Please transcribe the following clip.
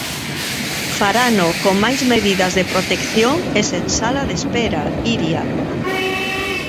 Farano con máis medidas de protección e sen sala de espera, Iria.